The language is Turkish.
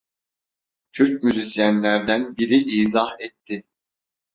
Türk müzisyenlerden biri izah etti: